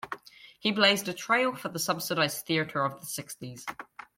He blazed a trail for the subsidised theatre of the sixties.